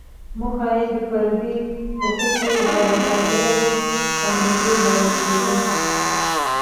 موخه یې د فردي حقوقو او ازادیو خوندیتوب بلل کېده.